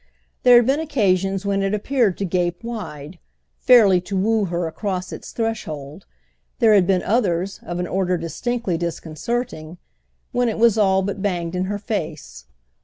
There had been occasions when it appeared to gape wide—fairly to woo her across its threshold; there had been others, of an order distinctly disconcerting, when it was all but banged in her face.